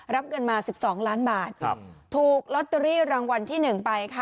รับเงินมา๑๒ล้านบาทถูกลอตเตอรี่รางวัลที่๑ไปค่ะ